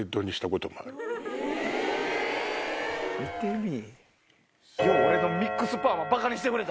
見てみぃ。